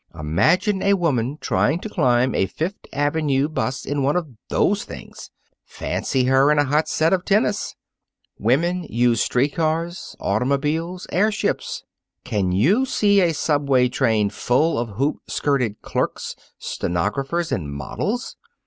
Imagine a woman trying to climb a Fifth Avenue 'bus in one of those things. Fancy her in a hot set of tennis. Women use street cars, automobiles, airships. Can you see a subway train full of hoop skirted clerks, stenographers, and models?